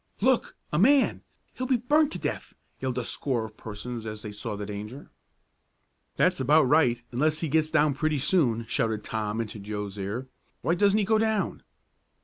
"Look! A man! He'll be burned to death!" yelled a score of persons as they saw the danger. "That's about right, unless he gets down pretty soon," shouted Tom into Joe's ear. "Why doesn't he go down?"